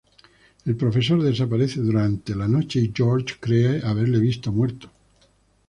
El profesor desaparece durante la noche y George cree haberlo visto muerto.